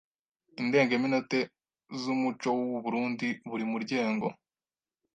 Indengemenote z’umuco w’u Burunndi buri muryengo